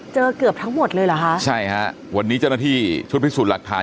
เกือบทั้งหมดเลยเหรอคะใช่ฮะวันนี้เจ้าหน้าที่ชุดพิสูจน์หลักฐาน